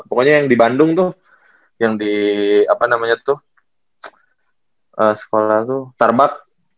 pokoknya yang di bandung tuh yang di apa namanya tuh sekolah tuh tarbak